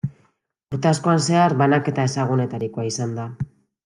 Urte askotan zehar, banaketa ezagunetarikoa izan da.